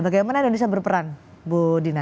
bagaimana indonesia berperan bu dina